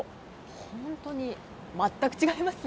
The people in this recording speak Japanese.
本当に全く違いますね。